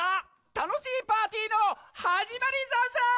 たのしいパーティーのはじまりざんす！